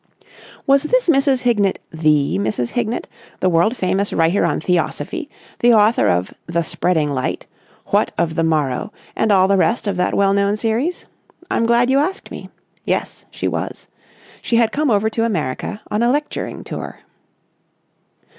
Was this Mrs. Hignett the Mrs. Hignett, the world famous writer on Theosophy, the author of "The Spreading Light," "What of the Morrow," and all the rest of that well known series? I'm glad you asked me. Yes, she was. She had come over to America on a lecturing tour.